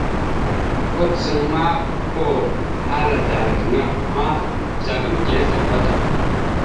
Kudzaŋ ma, kwa, ala dala gaŋa ma, ɓəzagaam etelle tabá tam.